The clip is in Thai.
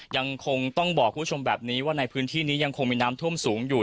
ยังคงต้องบอกคุณผู้ชมแบบนี้ว่าในพื้นที่นี้ยังคงมีน้ำท่วมสูงอยู่